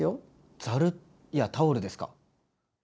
ざる？やタオルですか？